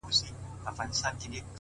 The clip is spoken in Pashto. • په خپل شعر او ستا په ږغ یې ویښومه,